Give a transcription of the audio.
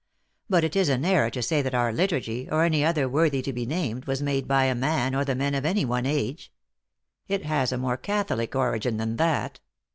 " But it is an error to say that our liturgy, or any other worthy to be named, was made by a man, or the men of any one age. It has a more catholic origin than that.